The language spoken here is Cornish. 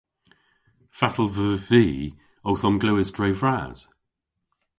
Fatel veuv vy owth omglewes dre vras?